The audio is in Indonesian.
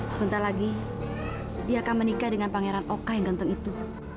sebentar lagi dia akan menikah dengan pangeran oka yang gantung itu